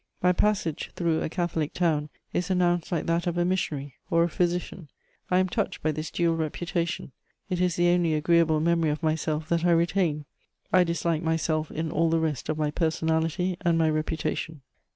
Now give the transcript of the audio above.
My passage through a Catholic town is announced like that of a missionary or a physician. I am touched by this dual reputation: it is the only agreeable memory of myself that I retain; I dislike myself in all the rest of my personality and my reputation.